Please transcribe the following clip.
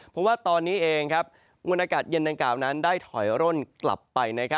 เพราะว่าตอนนี้เองมวลอากาศเย็นดังกล่าวนั้นได้ถอยร่นกลับไป